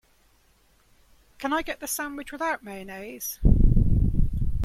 Can I get the sandwich without mayonnaise?